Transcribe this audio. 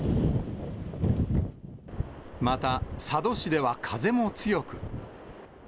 また佐渡市では風も強く。